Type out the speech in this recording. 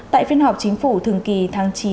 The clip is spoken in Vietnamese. tại phiên họp chính phủ thường kỳ tháng chín